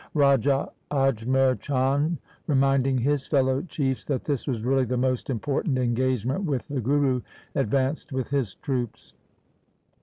Raja Ajmer Chand, reminding his fellow chiefs that this was really the most important engagement with the Guru, advanced with his troops.